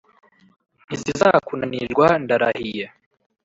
ntizizakunanirwa ndarahiye.